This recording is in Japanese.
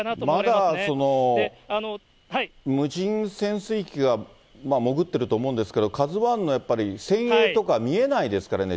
まだ無人潜水機が潜ってると思うんですけど、ＫＡＺＵＩの船影とか見えないですかね、